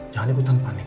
jangan ikutan panik